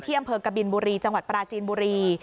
อำเภอกบินบุรีจังหวัดปราจีนบุรี